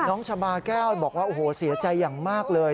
น้องชาบาแก้วบอกว่าโอ้โหเสียใจอย่างมากเลย